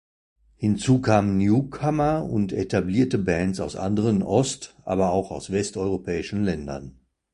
Hinzu kamen Newcomer und etablierte Bands aus anderen ost-, aber auch aus westeuropäischen Ländern.